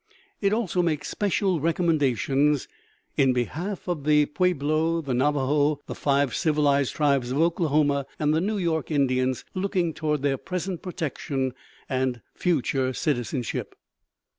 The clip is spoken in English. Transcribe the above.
It also makes special recommendations in behalf of the Pueblo, the Navajo, the Five Civilized Tribes of Oklahoma, and the New York Indians, looking toward their present protection and future citizenship.